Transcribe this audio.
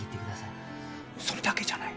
それだけじゃない。